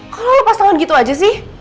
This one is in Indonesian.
kalau lepas tangan gitu aja sih